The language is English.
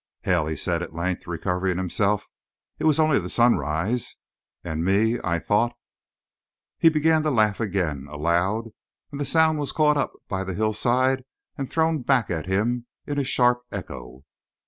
"Hell," he said at length, recovering himself. "It was only the sunrise! And me I thought " He began to laugh again, aloud, and the sound was caught up by the hillside and thrown back at him in a sharp echo.